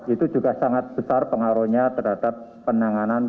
itu juga sangat besar pengaruhnya terhadap penanganan